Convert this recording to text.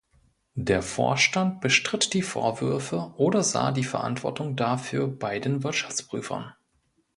Der Vorstand bestritt die Vorwürfe oder sah die Verantwortung dafür bei den Wirtschaftsprüfern.